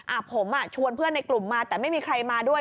อ่ะผมอ่ะชวนเพื่อนในกลุ่มมาแต่ไม่มีใครมาด้วย